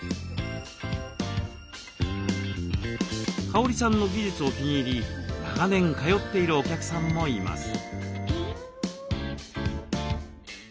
香里さんの技術を気に入り長年通っているお客さんもいます。